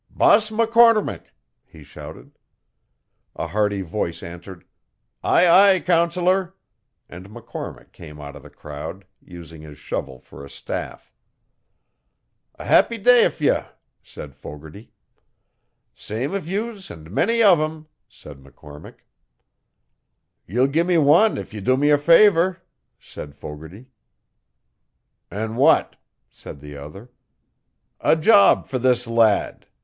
'Boss McCormick!' he shouted. A hearty voice answered, 'Aye, aye, Counsellor,' and McCormick came out of the crowd, using his shovel for a staff. 'A happy day to ye!' said Fogarty. 'Same to youse an' manny o' thim,' said McCormick. 'Ye'll gi'me one if ye do me a favour,' said Fogarty. 'An' what?' said the other. 'A job for this lad.